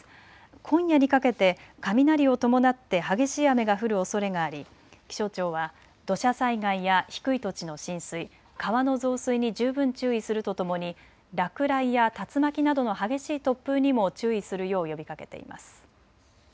今夜にかけて雷を伴って激しい雨が降るおそれがあり気象庁は土砂災害や低い土地の浸水、川の増水に十分注意するとともに落雷や竜巻などの激しい突風にも注意するよう呼びかけています。